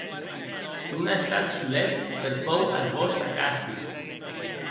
Non a estat solet per pòur ath vòste castic!